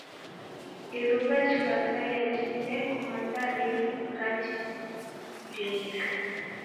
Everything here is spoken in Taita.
Iruwa jikakaia jiseko, maza rimu ratindimika.